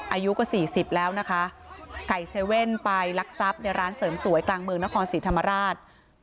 อายุก็สี่สิบแล้วนะคะไก่เซเว่นไปลักทรัพย์ในร้านเสริมสวยกลางเมืองนครศรีธรรมราช